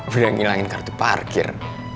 udah ngilangin kartu parkir